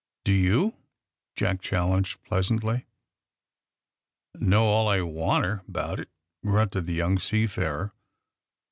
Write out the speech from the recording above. "Do you?" Jack challenged pleasantly. "Know all I wanter 'bout it," grunted the young seafarer..